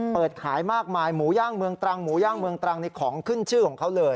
เปิดขายมากมายหมูย่างเมืองตรังในของขึ้นชื่อของเขาเลย